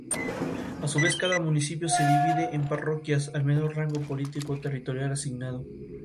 El Dios está aquí representado por el Sol y la Diosa por la Tierra.